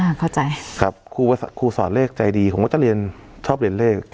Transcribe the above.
เข้าใจครับครูครูสอนเลขใจดีผมก็จะเรียนชอบเรียนเลข